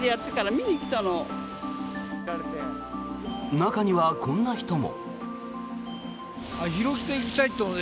中には、こんな人も。